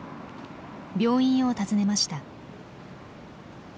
病院を訪ねました。